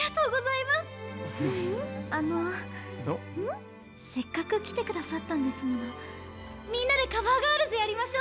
あのせっかく来てくださったんですものみんなでカバー・ガールズやりましょ？